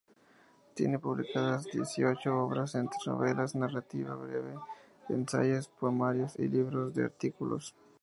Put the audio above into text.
Tiene publicadas dieciocho obras, entre novelas, narrativa breve, ensayos, poemarios y libros de artículos.